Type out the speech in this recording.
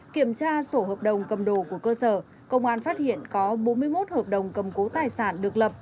kiểm tra sổ hợp đồng cầm đồ của cơ sở công an phát hiện có bốn mươi một hợp đồng cầm cố tài sản được lập